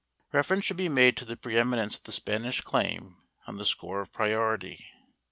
Reference should be made to the pre eminence of the Spanish claim on the score of priority.